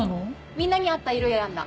みんなに合った色を選んだ。